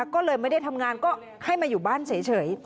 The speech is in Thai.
ก็เลยไม่ได้ทำงานก็ให้มาอยู่บ้านเฉย